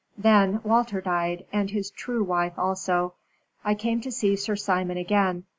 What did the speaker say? Then Walter died, and his true wife also. I came to see Sir Simon again.